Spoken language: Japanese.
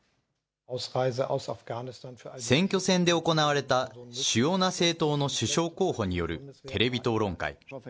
選挙戦で行われた、主要な政党の首相候補によるテレビ討論会。